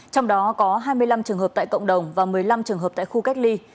trong đó có hai mươi năm trường hợp tại cộng đồng và một mươi năm trường hợp tại khu cách ly